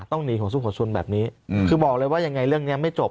ต้องหนีของสุขุนแบบนี้คือบอกเลยว่ายังไงเรื่องนี้ไม่จบ